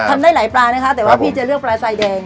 ทำได้หลายปลานะคะแต่ว่าพี่จะเลือกปลาใส่แดง